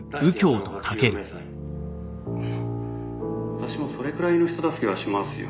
「私もそれくらいの人助けはしますよ」